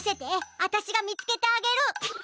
あたしがみつけてあげる。